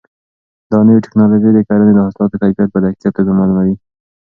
دا نوې ټیکنالوژي د کرنې د حاصلاتو کیفیت په دقیقه توګه معلوموي.